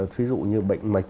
ví dụ như bệnh mạch